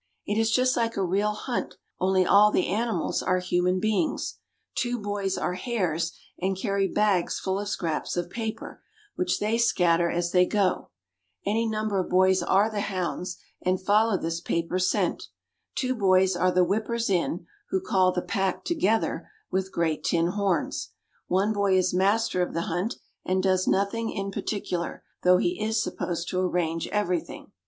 It is just like a real hunt, only all the animals are human beings; two boys are hares, and carry bags full of scraps of paper, which they scatter as they go; any number of boys are the hounds, and follow this paper scent; two boys are the whippers in, who call the "pack" together with great tin horns; one boy is master of the hunt, and does nothing in particular, though he is supposed to arrange everything.